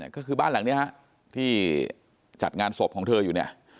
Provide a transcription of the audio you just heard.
ก็คือบ้านหลังนี้ฮะที่จัดงานศพของเธออยู่เนี่ย